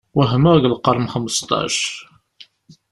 Wehmeɣ deg lqern xmesṭac.